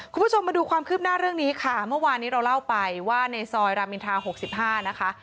คุณผู้ชมมาดูความคืบหน้าเรื่องนี้ค่ะเมื่อวานนี้เราเล่าไปว่าในซอยรามอินทา๖๕นะคะ